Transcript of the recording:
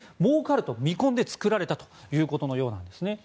それだけもうかると見込んで作られたということのようですね。